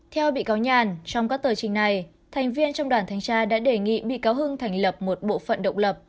theo bị cáo nhàn trong các tờ trình này thành viên trong đoàn thanh tra đã đề nghị bị cáo hưng thành lập một bộ phận độc lập